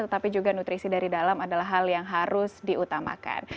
tetapi juga nutrisi dari dalam adalah hal yang harus diutamakan